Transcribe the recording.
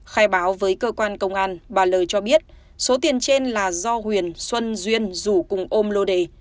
khai báo với cơ quan công an bà lời cho biết số tiền trên là do huyền xuân duyên rủ cùng ôm lô đề